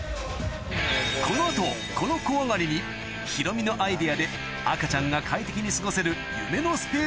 この後この小上がりにヒロミのアイデアで赤ちゃんがうわかわいい。